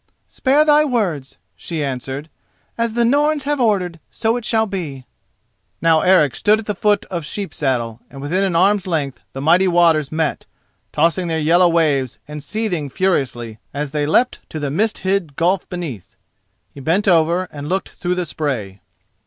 "Spare thy words," she answered; "as the Norns have ordered so it shall be." Now Eric stood at the foot of Sheep saddle, and within an arm's length the mighty waters met, tossing their yellow waves and seething furiously as they leapt to the mist hid gulf beneath. He bent over and looked through the spray.